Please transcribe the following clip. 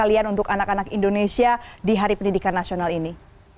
kalian untuk anak anak indonesia di hari pendidikan nasional ini